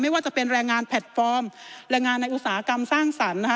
ว่าจะเป็นแรงงานแพลตฟอร์มแรงงานในอุตสาหกรรมสร้างสรรค์นะคะ